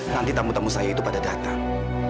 nanti tamu tamu saya itu pada datang